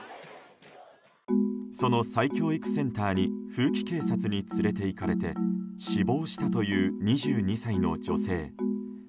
その再教育センターに風紀警察に連れていかれて死亡したという２２歳の女性。